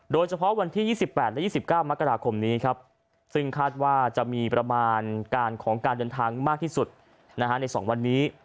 โดยเฉพาะวันที่๒๘และ๒๙มกราคมนี้ครับซึ่งคาดว่าจะมีประมาณการของการเดินทางมากที่สุดใน๒วันนี้